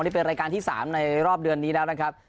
นี่เป็นรายการที่๓ในรอบเดือนนี้แล้วนะครับ